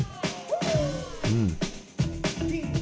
うん。